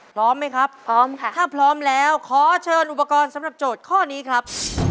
พร้อมไหมครับพร้อมค่ะถ้าพร้อมแล้วขอเชิญอุปกรณ์สำหรับโจทย์ข้อนี้ครับ